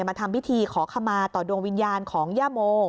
มาทำพิธีขอขมาต่อดวงวิญญาณของย่าโม